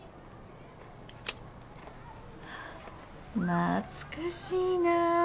懐かしいな。